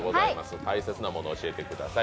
大切なものを教えてください。